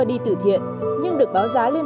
đi tử thiện nhưng được báo giá lên